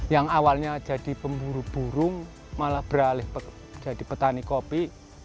yang awalnya jadi pemburu burung malah beralih jadi petani kopi